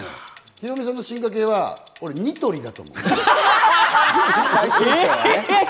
ヒロミさんの進化系は、俺、ニトリだと思う。